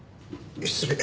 失礼。